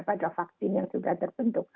pada vaksin yang sudah terbentuk